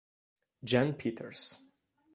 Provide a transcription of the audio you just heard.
Jan Peters